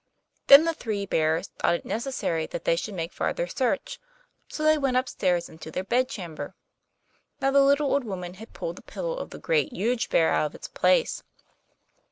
Then the three bears thought it necessary that they should make farther search; so they went up stairs into their bed chamber. Now the little old woman had pulled the pillow of the Great, Huge Bear out of its place.